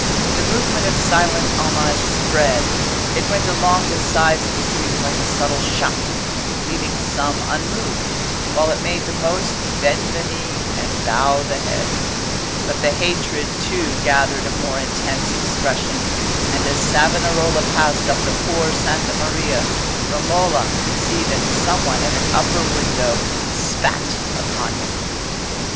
The movement of silent homage spread: it went along the sides of the streets like a subtle shock, leaving some unmoved, while it made the most bend the knee and bow the head. But the hatred, too, gathered a more intense expression; and as Savonarola passed up the Por' Santa Maria, Romola could see that some one at an upper window spat upon him.